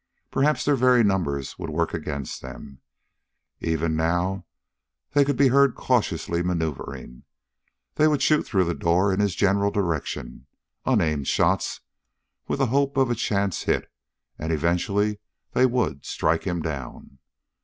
Perhaps their very numbers would work against them. Even now they could be heard cautiously maneuvering. They would shoot through the door in his general direction, unaimed shots, with the hope of a chance hit, and eventually they would strike him down.